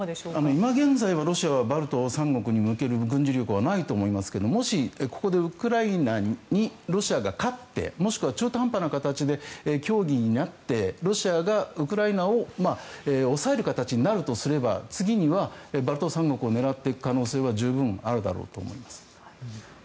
今現在はロシアはバルト三国に向ける軍事力はないと思いますけどもし、ここでウクライナにロシアが勝ってもしくは中途半端な形で協議になってロシアがウクライナを押さえる形になるとすれば次にはバルト三国を狙っていく可能性は十分あるだろうと思います。